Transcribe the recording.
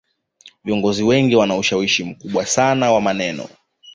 viongozi wengi wana ushawishi mkubwa sana wa maneno